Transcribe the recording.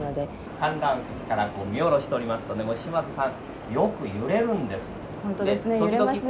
観覧席から見下ろしておりますとね、島津さん、よく揺れるん本当ですね、揺れますね。